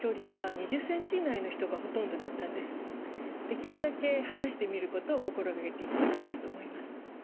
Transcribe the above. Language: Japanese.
できるだけ離して見ることを心がけていただきたいと思います。